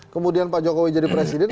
kemudian pak jokowi jadi presiden